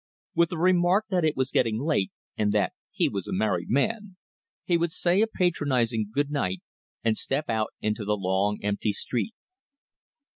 With a remark that it was getting late, and that he was a married man, he would say a patronizing good night and step out into the long, empty street.